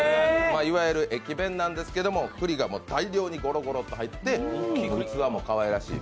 いわゆる駅弁なんですけど、くりが大量にゴロゴロと入って器もかわいらしい。